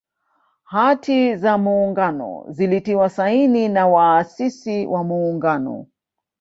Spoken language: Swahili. Hati za Muungano zilitiwa saini na waasisi wa Muungano